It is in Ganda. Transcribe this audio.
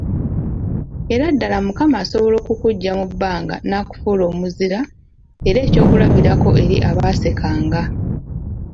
Era ddala Mukama asobola okukuggya mu bbanga n'akufuula omuzira era ekyokulabirako eri abaasekanga.